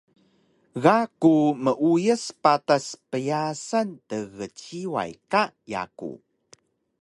Ga ku meuyas patas pyasan tgciway ka yaku